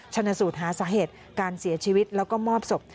ชนสูตรหาสาเหตุการเสียชีวิตแล้วก็มอบศพ